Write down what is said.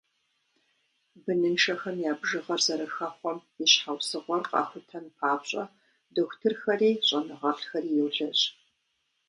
Быныншэхэм я бжыгъэр зэрыхэхъуэм и щхьэусыгъуэр къахутэн папщӏэ дохутырхэри щӏэныгъэлӏхэри йолэжь.